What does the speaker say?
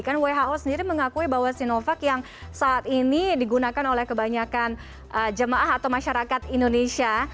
kan who sendiri mengakui bahwa sinovac yang saat ini digunakan oleh kebanyakan jemaah atau masyarakat indonesia